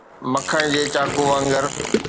مکڻ جي چاقو وانگر.